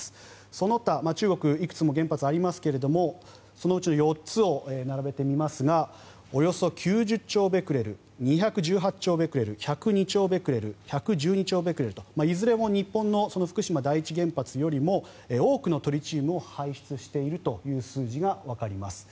その他、中国いくつも原発ありますがそのうちの４つを並べてみますがおよそ９０兆ベクレル２１８兆ベクレル１０２兆ベクレル１１２兆ベクレルと、いずれも日本の福島第一原発よりも多くのトリチウムを排出しているという数字がわかります。